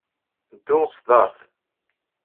Ddou s DaRt.